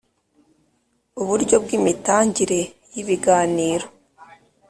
Uburyo bw imitangire y ibiganiro